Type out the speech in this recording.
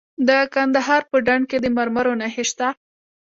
د کندهار په ډنډ کې د مرمرو نښې شته.